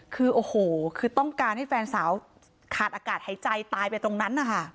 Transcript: คือโอ้โหคือต้องการให้แฟนสาวขาดอากาศหายใจตายไปตรงนั้นนะคะ